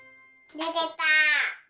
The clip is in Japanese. できた。